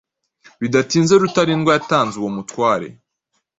Bidatinze Rutalindwa yatanze uwo mutware